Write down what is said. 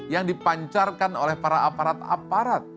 yang dipancarkan oleh para aparat aparat